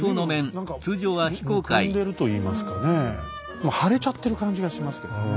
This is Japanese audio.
随分何かむくんでるといいますかね腫れちゃってる感じがしますけどね。